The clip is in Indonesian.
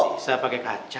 bisa pake kaca